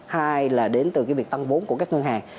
hai là đến từ cái việc tăng vốn của các ngân hàng